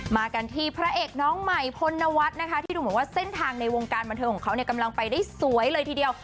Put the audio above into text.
มากันที่พระเอกน้องใหม่พลนวัฒน์นะคะที่ดูเหมือนว่าเส้นทางในวงการบันเทิงของเขาเนี่ยกำลังไปได้สวยเลยทีเดียว